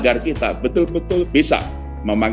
dari bi kita juga mengeluarkan kebijakan misalnya